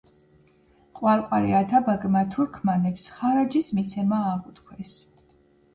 ყვარყვარე ათაბაგმა თურქმანებს ხარაჯის მიცემა აღუთქვეს.